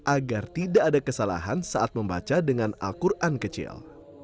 agar tidak ada kesalahan saat membaca dengan al quran kecil